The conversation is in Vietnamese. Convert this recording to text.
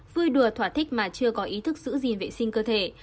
vui đùa thỏa thích mà chưa có ý thức giữ gìn vệ sinh cơ thể